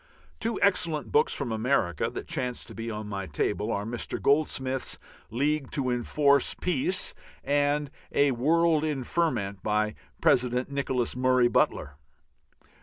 Two excellent books from America, that chance to be on my table, are Mr. Goldsmith's "League to Enforce Peace" and "A World in Ferment" by President Nicholas Murray Butler.